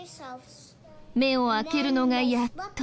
目を開けるのがやっと。